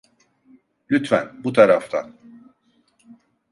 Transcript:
Lütfen, bu taraftan.